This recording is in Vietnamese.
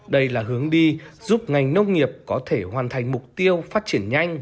đây là hướng đi giúp ngành nông nghiệp có thể hoàn thành mục tiêu phát triển nhanh